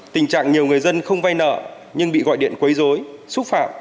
tình trạng nhiều người dân không vay nợ nhưng bị gọi điện quấy dối xúc phạm